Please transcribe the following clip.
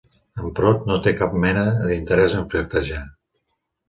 En Prot no té cap mena d'interès en flirtejar.